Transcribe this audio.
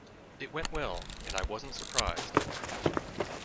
It went well, and I wasn't surprised.